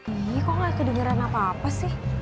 ini kok gak kedengeran apa apa sih